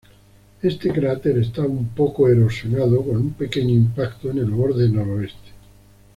Este cráter está un poco erosionado, con un pequeño impacto en el borde noroeste.